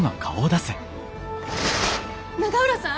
永浦さん？